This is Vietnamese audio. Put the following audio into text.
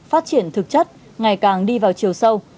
phát triển thực chất ngày càng đi vào chiều sâu